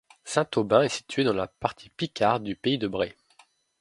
Saint-Aubin est située dans la partie picarde du pays de Bray.